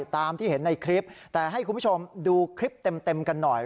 ตามที่เห็นในคลิปแต่ให้คุณผู้ชมดูคลิปเต็มกันหน่อย